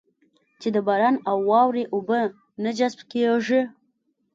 چې د باران او واورې اوبه نه جذب کېږي.